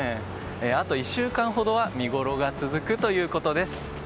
あと１週間ほどは見ごろが続くということです。